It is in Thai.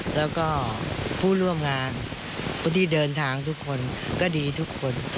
แล้วก็ผู้ร่วมงานผู้ที่เดินทางทุกคนก็ดีทุกคน